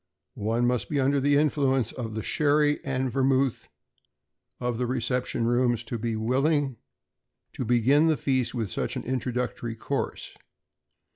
One must be under the influence of the sherry and Vermouth of the reception rooms, to be willing to begin the feast with such an introductory course.